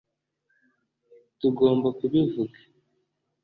tugomba kubivuga